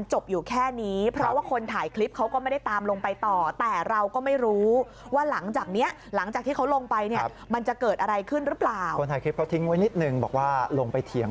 หลงไปด้วยทั้งสามคนที่